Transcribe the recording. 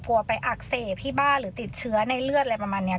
กลัวไปอักเสบที่บ้านหรือติดเชื้อในเลือดอะไรประมาณนี้